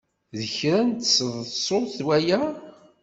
D kra n tseḍsut waya?